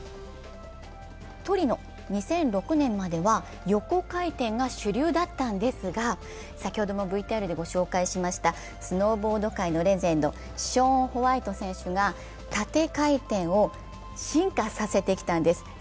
トリノ、２００６年までは横回転が主流だったんですが、先ほどもＶＴＲでご紹介しましたスノーボード界のレジェンド、ショーン・ホワイト選手が縦回転を進化させてきたんです。